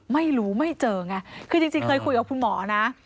ไม่รู้ไม่เจอไงคือจริงเคยคุยกับคุณหมอนะ